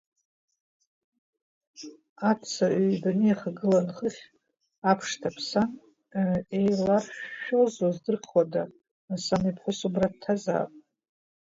Аца ҩбаны еихагылан, хыхь аԥш ҭаԥсан, еилалыршәшәозу здырхуада, Арсана иԥҳәыс убра дҭазаап.